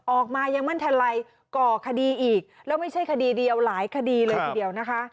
ออกมายังไม่ทันไรก่อคดีอีกแล้วไม่ใช่คดีเดียวหลายคดีเลยทีเดียวนะคะ